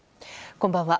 こんばんは。